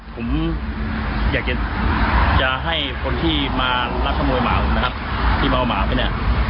ผมอยากจะจะให้คนที่มารับชมมือหมาผมนะครับที่มาเอาหมาไว้เนี่ย